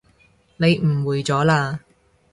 你誤會咗喇